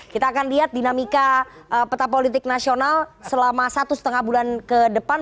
kita akan lihat dinamika peta politik nasional selama satu setengah bulan ke depan